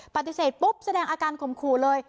ปฏิเสธปุ๊บแสดงอาการข่มขู่เลย